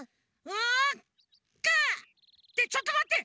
んグ！ってちょっとまって！